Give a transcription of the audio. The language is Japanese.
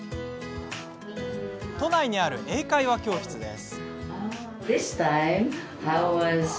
都内にある英会話教室です。